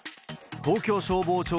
東京消防庁